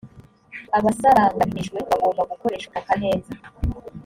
abasaranganijwe bagomba gukoresha ubutaka neza